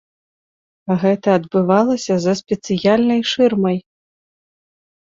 Гэта адбывалася за спецыяльнай шырмай.